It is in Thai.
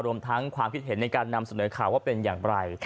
รวมทั้งความคิดเห็นในการนำเสนอข่าวว่าเป็นอย่างไร